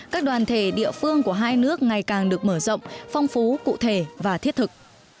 các đoàn thể địa phương của hai nước ngày càng được mở rộng phong phú cụ thể và thiết thực